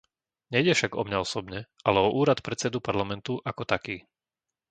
Nejde však o mňa osobne, ale o úrad predsedu Parlamentu ako taký.